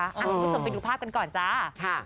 คุณผู้ชมไปดูภาพกันก่อนจ้า